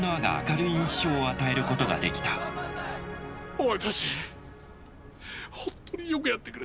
お前たち本当によくやってくれた。